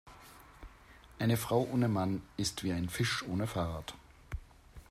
Eine Frau ohne Mann ist wie ein Fisch ohne Fahrrad.